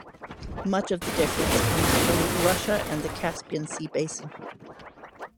Much of the difference comes from Russia and the Caspian Sea basin.